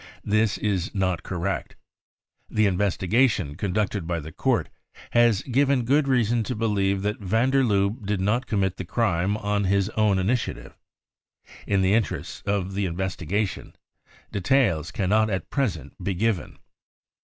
This is not correct. The investigation conducted by the court has given good reason to believe that van der Lubbe did not commit the crime on. his own initia tive. In the interests of the investigation details cannot at present be given."